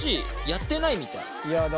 やってないみたい。